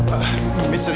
aduh aduh aduh